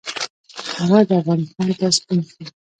هغه افغانستان ته ستون شو.